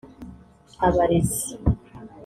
abarezi